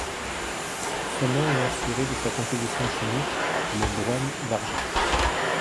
Son nom est inspiré de sa composition chimique, le brome et l'argent.